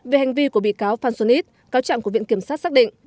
về hành vi của bị cáo phan xuân ít cáo trạng của viện kiểm sát xác định